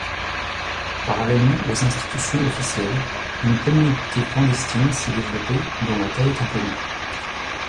Parallèlement aux institutions officielles, une communauté clandestine s'est développée dont la taille est inconnue.